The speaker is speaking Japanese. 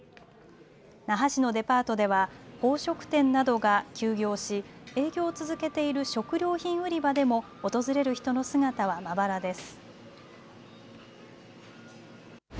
那覇市のデパートでは宝飾店などが休業し営業を続けている食料品売り場でも訪れる人の姿はまばらです。